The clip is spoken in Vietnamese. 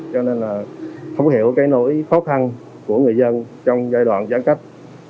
cho nên là thấu hiểu cái nỗi khó khăn của người dân trong giai đoạn giãn cách